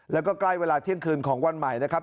แล้วก็ใกล้เวลาเที่ยงคืนของวันใหม่นะครับ